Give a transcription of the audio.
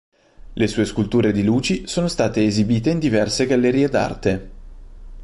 Le sue sculture di luci sono state esibite in diverse gallerie d'arte.